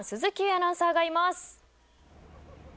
アナウンサーがいます。